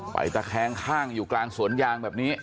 ตะแคงข้างอยู่กลางสวนยางแบบนี้